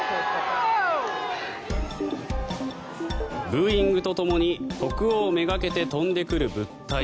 ブーイングとともに国王めがけて飛んでくる物体。